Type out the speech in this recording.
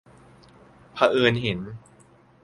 เผอิญเห็น